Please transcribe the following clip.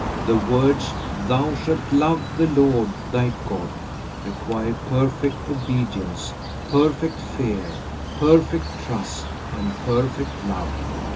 The words, "Thou shalt love the Lord, thy God," require perfect obedience, perfect fear, perfect trust, and perfect love.